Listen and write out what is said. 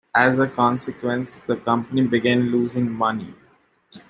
As a consequence, the company began losing money.